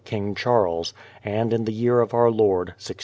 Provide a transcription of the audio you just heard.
King Charles, and in the year of Our Lord, 1640.